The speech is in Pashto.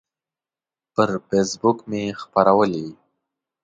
پر فیسبوک مې خپرولی